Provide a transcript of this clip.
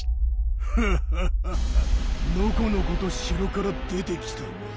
フフフのこのこと城から出てきたな。